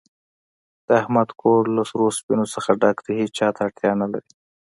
د احمد کور له سرو سپینو نه ډک دی، هېچاته اړتیا نه لري.